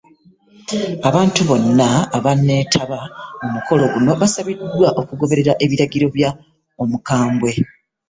Abantu bonna abaneetaba ku mukolo guno basabiddwa okugoberera ebiragiro bya Omukambwe